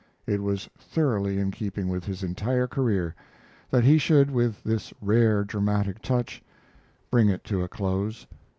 It was thoroughly in keeping with his entire career that he should, with this rare dramatic touch, bring it to a close.